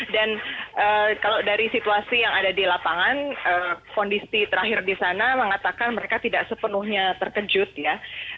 dan kalau dari situasi yang ada di lapangan kondisi terakhir di sana mengatakan mereka tidak sepenuhnya terkejut ya